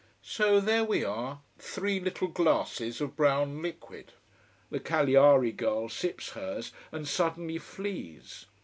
So there we are, three little glasses of brown liquid. The Cagliari girl sips hers and suddenly flees.